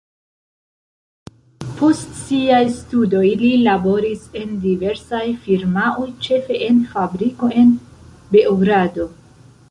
Post siaj studoj li laboris en diversaj firmaoj, ĉefe en fabriko en Beogrado.